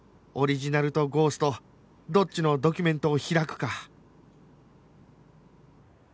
オリジナルとゴーストどっちのドキュメントを開くか